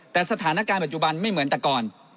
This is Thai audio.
แต่สถานการณ์ปัจจุบันไม่เหมือนแต่ก่อน